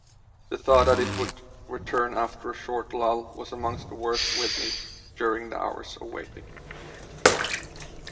The thought that it would return after a short lull was amongst the worst with me during the hours of waiting.